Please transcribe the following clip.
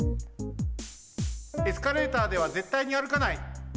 エスカレーターではぜったいに歩かない。